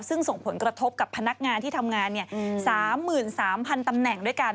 ซึ่งส่งผลกระทบกับพนักงานที่ทำงาน๓๓๐๐๐ตำแหน่งด้วยกัน